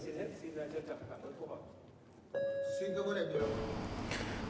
xin thưa quý vị đại biểu